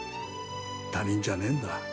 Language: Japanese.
他人じゃねんだ。